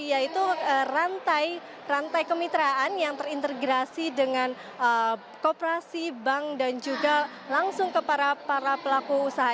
yaitu rantai kemitraan yang terintegrasi dengan kooperasi bank dan juga langsung ke para pelaku usaha